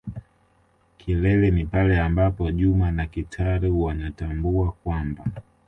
kilele ni pale ambapo Juma na Kitaru wanatambua kwamba.